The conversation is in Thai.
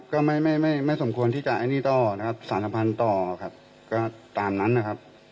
ก็ไม่ไม่สมควรที่จะไอ้หนี้ต่อนะครับสารพันธุ์ต่อครับก็ตามนั้นนะครับ